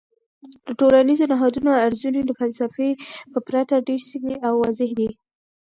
د ټولنیزو نهادونو ارزونې د فلسفې په پرتله ډیر سمی او واضح دي.